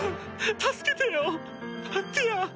助けてよティア！